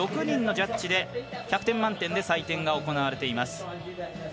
６人のジャッジで１００点満点で採点が行われています。